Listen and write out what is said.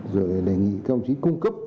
rồi đề nghị công chí cung cấp